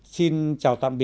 xin chào và hẹn gặp lại